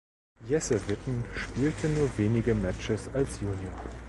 Jesse Witten spielte nur wenige Matches als Junior.